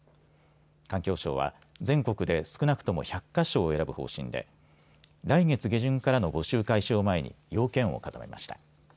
環境省は全国で少なくとも１００か所を選ぶ方針で来月下旬からの募集開始を前に要件を固めました。